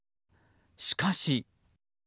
しかし。